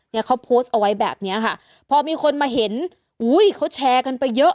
เนี่ยเขาโพสต์เอาไว้แบบเนี้ยค่ะพอมีคนมาเห็นอุ้ยเขาแชร์กันไปเยอะ